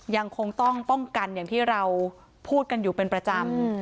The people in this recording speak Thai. ยังคงต้องป้องกันอย่างที่เราพูดกันอยู่เป็นประจำ